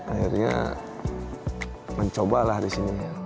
akhirnya mencobalah disini